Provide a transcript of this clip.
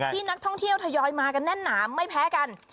ที่นักท่องเที่ยวทยอยมากันแน่นหนาไม่แพ้กัน